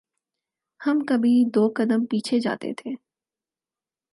ہم کبھی دو قدم پیچھے جاتے تھے۔